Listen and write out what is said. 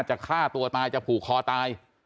จะฆ่าตัวตายจะผูกคอตาย